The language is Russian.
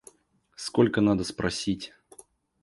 Сколько надо спросить!